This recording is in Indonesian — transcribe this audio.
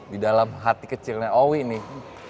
di dalam hati kecilnya owi nih